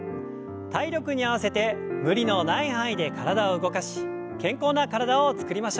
体力に合わせて無理のない範囲で体を動かし健康な体をつくりましょう。